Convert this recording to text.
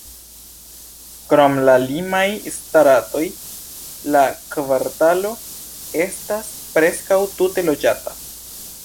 Krom la limaj stratoj, la kvartalo estas preskaŭ tute loĝata.